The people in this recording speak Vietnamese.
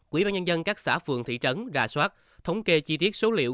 quỹ ban nhân dân các xã phường thị trấn ra soát thống kê chi tiết số liệu